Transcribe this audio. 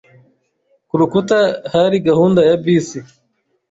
Ku rukuta hari gahunda ya bisi.